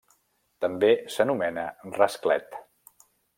També s'anomena rasclet.